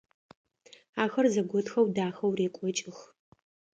Ахэр зэготхэу дахэу рекӏокӏых.